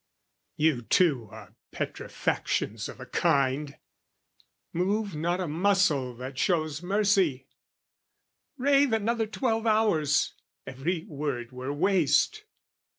You too are petrifactions of a kind: Move not a muscle that shows mercy; rave Another twelve hours, every word were waste!